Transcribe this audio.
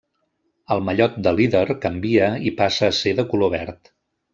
El mallot de líder canvia i passa a ser de color verd.